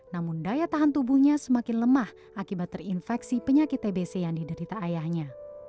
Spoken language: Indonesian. namun daya tahan tubuhnya semakin lemah akibat terinfeksi penyakit tbc yang diderita ayahnya